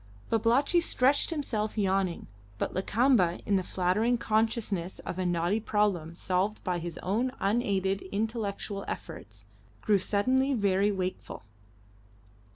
Babalatchi stretched himself yawning, but Lakamba, in the flattering consciousness of a knotty problem solved by his own unaided intellectual efforts, grew suddenly very wakeful.